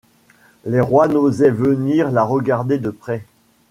Les rois n'osaient venir la regarder de près.